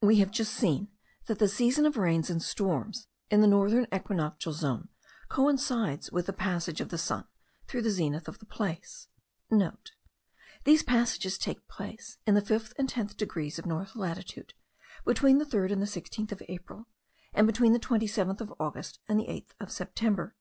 We have just seen that the season of rains and storms in the northern equinoctial zone coincides with the passage of the sun through the zenith of the place,* (* These passages take place, in the fifth and tenth degrees of north latitude between the 3rd and the 16th of April, and between the 27th of August and the 8th of September.)